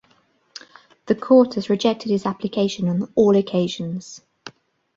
The court has rejected his application on all occasions.